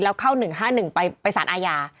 แล้วเข้า๑๕๑ไปสารอาญา